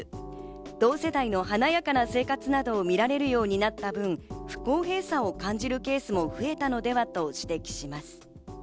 同世代の華やかな生活などを見られるようになった分、不公平さを感じるケースも増えたのではと指摘します。